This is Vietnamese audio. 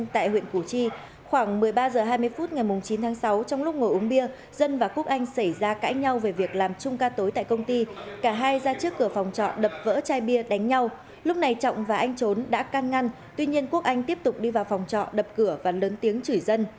trong ba mươi phút ngày chín tháng sáu trong lúc ngồi uống bia dân và quốc anh xảy ra cãi nhau về việc làm chung ca tối tại công ty cả hai ra trước cửa phòng trọ đập vỡ chai bia đánh nhau lúc này trọng và anh trốn đã can ngăn tuy nhiên quốc anh tiếp tục đi vào phòng trọ đập cửa và lớn tiếng chửi dân